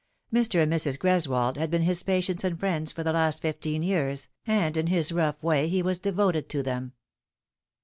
Mr. and Mrs. Greswold had been his patients and friends for the last fifteen years, and in his rough way he was devoted to them.